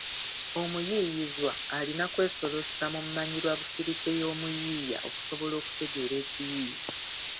Omuyiiyizwa alina kwesolossa mu mmanyirabukusike y’omuyiiya okusobola okutegeera ekiyiiye